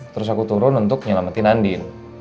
terus aku turun untuk nyelamatin andin